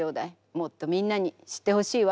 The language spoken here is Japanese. もっとみんなに知ってほしいわ。